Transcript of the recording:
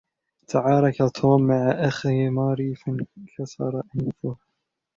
تعارك توم مع أخي ماري فانكسر أنفه.